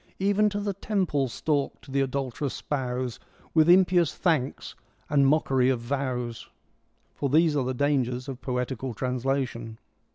Even to the temple stalked the adulterous spouse With impious thanks and mockery of vows. For these are the dangers of poetical translation.